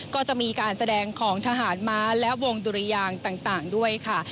ก็จะมีการแสดงของทหารม้าและวงดุรยางต่างด้วยค่ะ